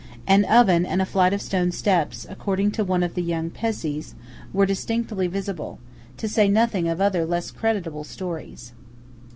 An oven and a flight of stone steps, according to one of the young Pezzés, were distinctly visible; to say nothing of other less credible stories.